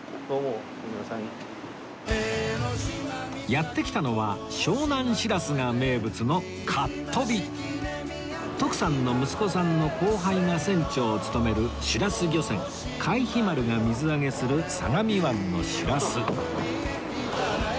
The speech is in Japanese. やって来たのは湘南シラスが名物の徳さんの息子さんの後輩が船長を務めるシラス漁船快飛丸が水揚げする相模湾のシラス